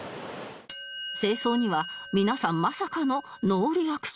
正装には皆さんまさかのノーリアクション